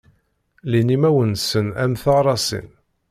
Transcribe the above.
Llin imawen-nnsen am teɣṛasin.